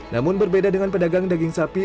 namun berbeda dengan pedagang daging sapi